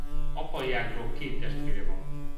Apai ágról két testvére van.